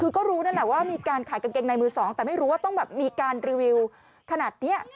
คือก็รู้นั่นแหละว่ามีการขายกางเกงในมือสองแต่ไม่รู้ว่าต้องแบบมีการรีวิวขนาดนี้